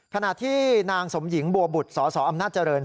ขณะที่นางสมหญิงบัวบุตรสสอำนาจเจริญ